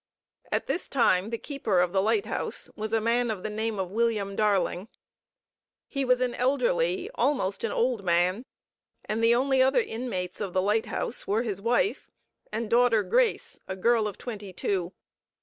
At this time the keeper of the lighthouse was a man of the name of William Darling. He was an elderly, almost an old man, and the only other inmates of the lighthouse were his wife and daughter Grace, a girl of twenty two.